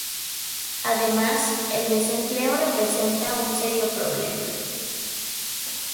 Además, el desempleo representa un serio problema.